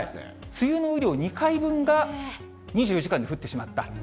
梅雨の雨量２回分が２４時間に降ってしまった。